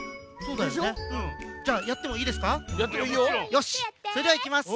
よしそれではいきます！